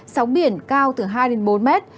sóng biển cao từ hai đến bốn mét